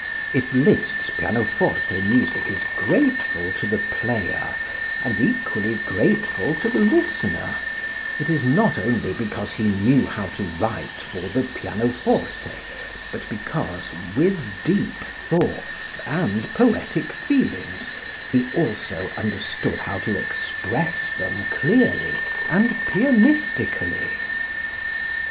If Liszt's pianoforte music is grateful to the player and equally grateful to the listener, it is not only because he knew how to write for the pianoforte, but because, with deep thoughts and poetic feelings, he also understood how to express them clearly and pianistically.